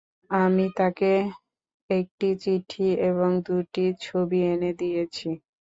আমি তাঁকে একটি চিঠি এবং দুটি ছবি এনে দিয়েছি।